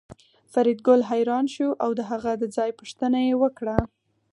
فریدګل حیران شو او د هغه د ځای پوښتنه یې وکړه